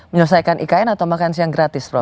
menyelesaikan ikn atau makan siang gratis roh